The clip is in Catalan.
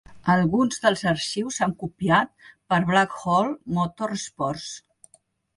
Alguns dels arxius s'han copiat per Blackhole Motorsports.